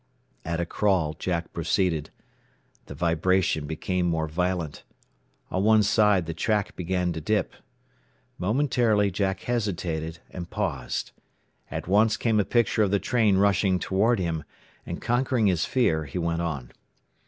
At a crawl Jack proceeded. The vibration became more violent. On one side the track began to dip. Momentarily Jack hesitated, and paused. At once came a picture of the train rushing toward him, and conquering his fear, he went on.